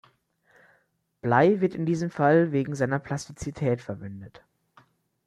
Blei wird in diesem Fall wegen seiner Plastizität verwendet.